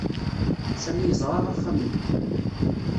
Sami yeẓra axxam-nni.